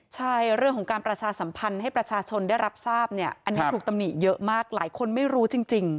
ใช่เรื่องของการประชาสัมพันธ์ให้ประชาชนได้รับทราบเนี่ยอันนี้ถูกตำหนิเยอะมากหลายคนไม่รู้จริง